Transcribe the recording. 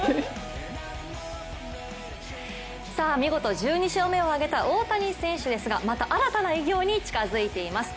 見事１２勝目を挙げた大谷選手ですが、また新たな偉業に近づいています。